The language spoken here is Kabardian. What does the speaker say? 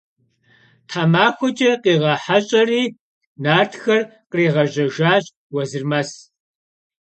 Themaxueç'e khiğeheş'eri, nartxer khriğejejjaş Vuezırmec.